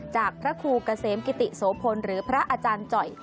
จากพระครูเกษมกิติโสพลหรือพระอาจารย์จ่อย